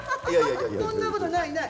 そんなことないない。